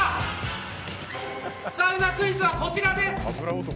サウナクイズはこちらです。